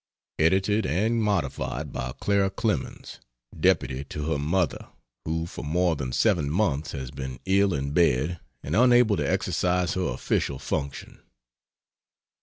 (Edited and modified by Clara Clemens, deputy to her mother, who for more than 7 months has been ill in bed and unable to exercise her official function.)